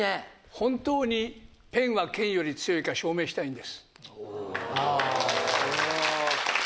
本当にペンは剣より強いか証明したいんです。